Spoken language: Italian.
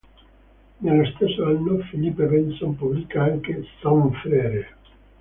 Nello stesso anno, Philippe Besson pubblica anche "Son frère".